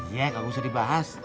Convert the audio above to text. iya gak usah dibahas